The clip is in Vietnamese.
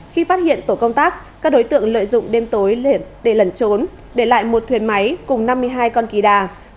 khi phát hiện tổ công tác các đối tượng lợi dụng đêm tối để lẩn trốn để lại một thuyền máy cùng năm mươi hai con kỳ đà